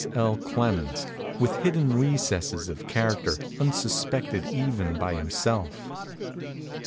L. Clemens with hidden recesses of character unsuspected even by himself.